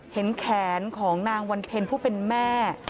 เห็นแขนของนางวันเพ็ญผู้เป็นแม่